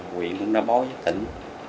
quyện cũng đã báo cho tỉnh